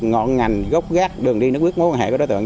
ngọn ngành gốc gác đường đi nước quyết mối quan hệ của đối tượng